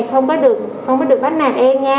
không có được bắt nạt em nha